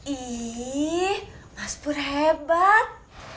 ih mas pur hebat